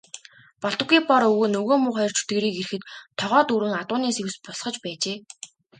Болдоггүй Бор өвгөн нөгөө муу хоёр чөтгөрийг ирэхэд тогоо дүүрэн адууны сэвс буцалгаж байжээ.